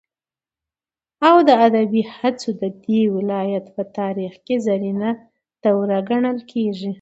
او د ادبي هڅو ددې ولايت په تاريخ كې زرينه دوره گڼل كېږي.